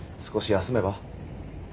少し休めば？